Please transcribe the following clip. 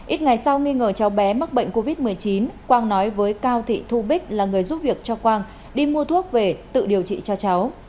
ít ngày sau nghi ngờ cháu bé mắc bệnh covid một mươi chín quang nói với cao thị thu bích là người giúp việc cho quang đi mua thuốc về tự điều trị cho cháu